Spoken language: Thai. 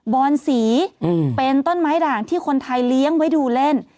อนสีเป็นต้นไม้ด่างที่คนไทยเลี้ยงไว้ดูเล่น